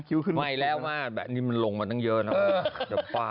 นี่มันลงมาตั้งเยอะนะ